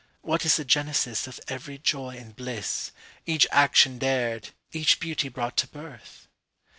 What is the genesisOf every joy and bliss, Each action dared, each beauty brought to birth?